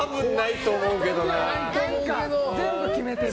全部決めてる。